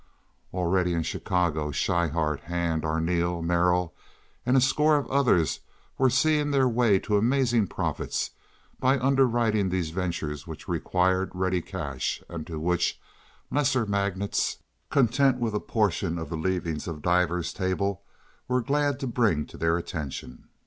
Already in Chicago Schryhart, Hand, Arneel, Merrill, and a score of others were seeing their way to amazing profits by underwriting these ventures which required ready cash, and to which lesser magnates, content with a portion of the leavings of Dives's table, were glad to bring to their attention.